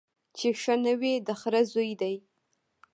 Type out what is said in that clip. چي ښه نه وي د خره زوی دی